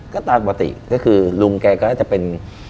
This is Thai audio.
ก็ตามปกติก็คือลุงแกก็น่าจะเป็น